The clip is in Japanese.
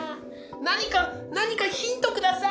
何か何かヒント下さい。